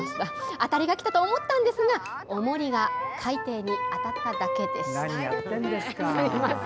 当たりが来たと思ったんですがおもりが海底に当たっただけでした。